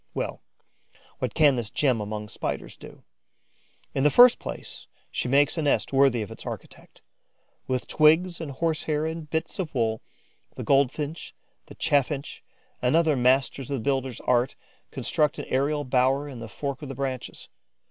Well, what can this gem among Spiders do? In the first place, she makes a nest worthy of its architect. With twigs and horse hair and bits of wool, the Goldfinch, the Chaffinch and other masters of the builder's art construct an aerial bower in the fork of the branches.